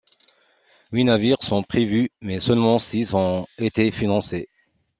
Huit navires sont prévus mais seulement six ont été financés.